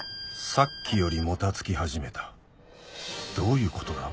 さっきよりもたつき始めたどういうことだ？